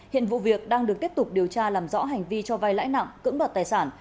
hiện vụ việc đang được tiếp tục điều tra làm rõ hành vi cho vai lãi nặng cưỡng đoạt tài sản